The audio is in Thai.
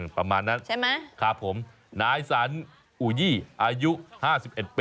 ประมาณนั้นใช่ไหมครับผมนายสันอูยี่อายุ๕๑ปี